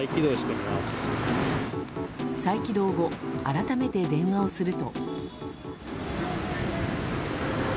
再起動後、改めて電話をすると。